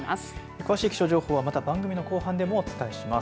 詳しい気象情報はまた番組の後半でもお伝えします。